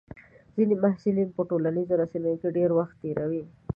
ځینې محصلین په ټولنیزو رسنیو کې ډېر وخت تېروي.